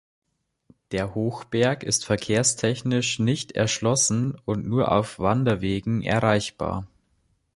Der Hochberg ist verkehrstechnisch nicht erschlossen und nur auf Wanderwegen erreichbar.